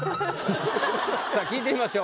さあ聞いてみましょう。